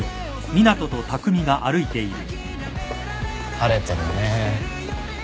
晴れてるね。